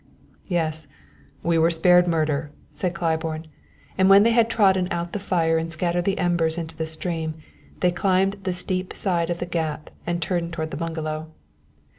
"Yes, we were spared murder," said Claiborne; and when they had trodden out the fire and scattered the embers into the stream, they climbed the steep side of the gap and turned toward the bungalow.